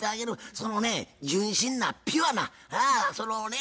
そのね純真なピュアなそのね